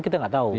kita nggak tahu